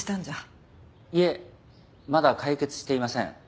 いえまだ解決していません。